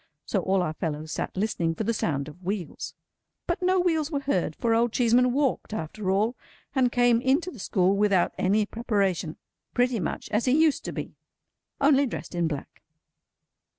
So, all our fellows sat listening for the sound of wheels. But no wheels were heard, for Old Cheeseman walked after all, and came into the school without any preparation. Pretty much as he used to be, only dressed in black.